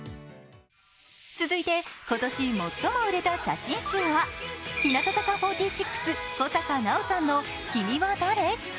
続いて今年最も売れた写真集は日向坂４６・小坂菜緒さんの「君は誰？」。